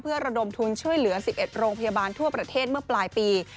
เพื่อระดมทุนช่วยเหลือ๑๑โรงพยาบาลทั่วประเทศเมื่อปลายปี